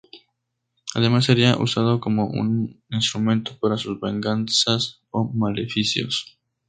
Además sería usado como un instrumento para sus venganzas o maleficios.